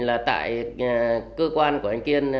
là tại cơ quan của anh kiên